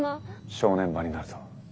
正念場になるぞ。